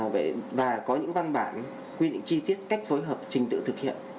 và có những văn bản quy định chi tiết cách phối hợp trình tự thực hiện